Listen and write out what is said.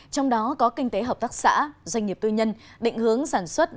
trong đó có kinh tế hợp tác xã doanh nghiệp tư nhân định hướng sản xuất